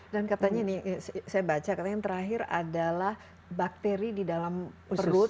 dan katanya ini saya baca yang terakhir adalah bakteri di dalam perut